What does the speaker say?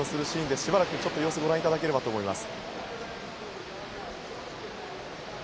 しばらく様子をご覧いただければと思います。